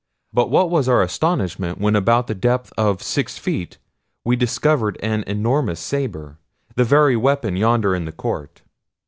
But what was our astonishment when about the depth of six feet we discovered an enormous sabre—the very weapon yonder in the court.